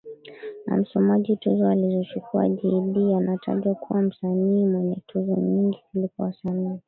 na msomaji Tuzo alizochukua Jay Dee anatajwa kuwa msanii mwenye tuzo nyingi kuliko wasanii